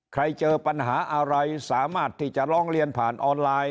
เจอปัญหาอะไรสามารถที่จะร้องเรียนผ่านออนไลน์